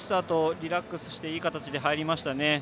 リラックスしていい形で入りました。